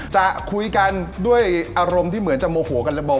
จะคุยกันด้วยอารมณ์ที่เหมือนจะโมโหกันระบอ